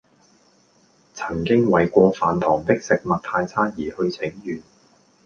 曾經為過飯堂的食物太差而去請願